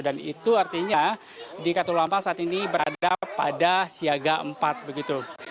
dan itu artinya di katulampa saat ini berada pada siaga empat begitu